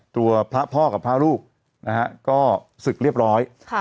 ตัวพระพ่อกับพระลูกนะฮะก็ศึกเรียบร้อย